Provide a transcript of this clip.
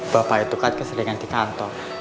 bapak itu kan keselingan di kantor